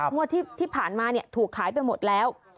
งวดที่ผ่านมาถูกขายไปหมดแล้ว